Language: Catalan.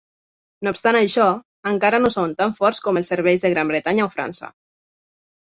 No obstant això, encara no són tant forts com els serveis de Gran Bretanya o França.